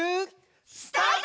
スタート！